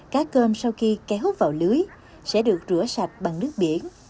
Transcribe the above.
cá cơm sau khi kè hút vào lưới sẽ được rửa sạch bằng nước biển